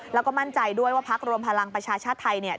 แล้วก็มั่นใจด้วยว่าพักรวมพลังประชาชาติไทยเนี่ย